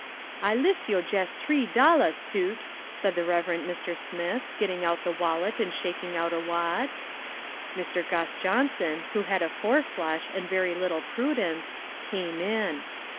"I liffs yo' jess tree dollahs, Toot," said the Reverend Mr. Smith, getting out the wallet and shaking out a wad. Mr. Gus Johnson, who had a four flush and very little prudence, came in.